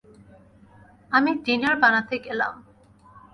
আমি ডিনার বানাতে গেলাম।